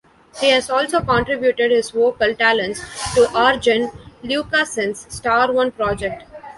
He has also contributed his vocal talents to Arjen Lucassen's Star One project.